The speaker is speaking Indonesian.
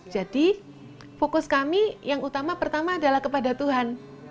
jadi fokus kami yang utama pertama adalah kepada tuhan